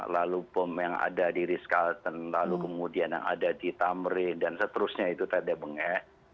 lalu bom yang ada di rizkalten lalu kemudian yang ada di tamrin dan seterusnya itu tete benge